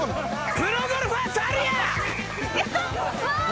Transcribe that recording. プロゴルファー猿や！